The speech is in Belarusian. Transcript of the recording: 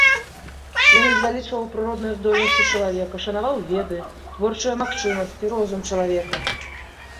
Ён узвялічваў прыродныя здольнасці чалавека, шанаваў веды, творчыя магчымасці, розум чалавека.